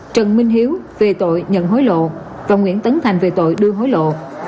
trần minh hiếu về tội nhận hối lộ và nguyễn tấn thành về tội đưa hối lộ